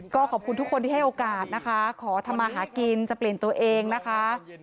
ก็ขอบคุณทุกคนที่ให้โอกาสนะคะขอทำมาหากินจะเปลี่ยนตัวเองนะคะ